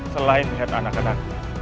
selain melihat anak anakku